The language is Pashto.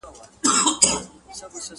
دا حالت ښيي چي هغه له خپل فردي وجود څخه